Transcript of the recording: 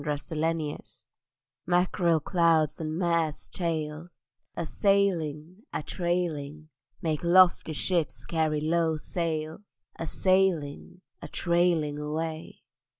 MACKEREL SIGNS Mackerel clouds and mares' tails A sailing, a trailing, Make lofty ships carry low sails A sailing, a trailing away.